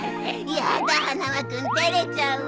やだ花輪君照れちゃうわ。